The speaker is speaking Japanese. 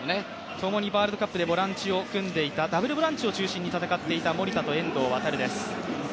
共にワールドカップでボランチを組んででいたダブルボランチを組んでいた守田と遠藤航です。